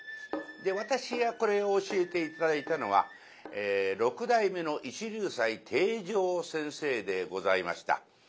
私がこれを教えて頂いたのは六代目の一龍斎貞丈先生でございました。